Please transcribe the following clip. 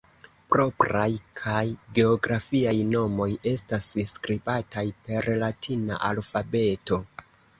Propraj kaj geografiaj nomoj estas skribataj per latina alfabeto.